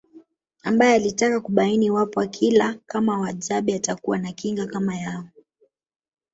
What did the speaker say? Ambae alitaka kubaini iwapo akila kama Wahadzabe atakuwa na kinga kama yao